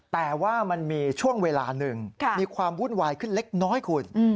แต่ว่ามันมีช่วงเวลาหนึ่งมีความวุ่นวายขึ้นเล็กน้อยคุณ